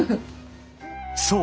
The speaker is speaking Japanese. そう。